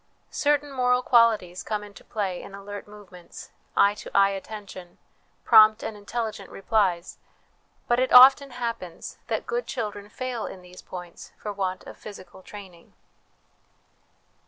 Certain moral qualities come into play in alert movements, eye to eye attention, prompt and intelligent replies; but it often happens that good children fail in these points for want of physical training.